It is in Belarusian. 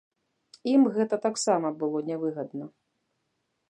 Ім гэта таксама было нявыгадна.